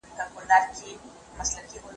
ټولنپوهنه د تاریخ په پرتله عام مسائل ګوري.